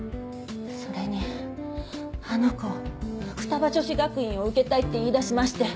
それにあの子二葉女子学院を受けたいって言いだしまして。